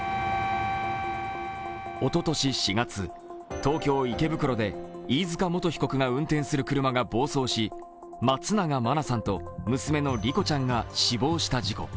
おととし４月、東京・池袋で飯塚元被告が運転する車が暴走し、松永真菜さんと娘の莉子ちゃんが死亡した事故。